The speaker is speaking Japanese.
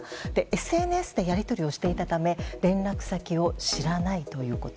ＳＮＳでやり取りをしていたため連絡先を知らないということ。